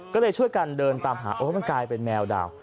ก็เลยช่วยกันเดินตามหาโอ้มันกลายเป็นแมวดาว